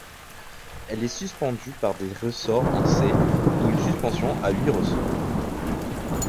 Elle est suspendue par des ressorts en C, ou une suspension à huit ressorts.